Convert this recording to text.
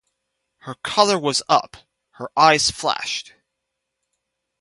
Her colour was up, her eyes flashed.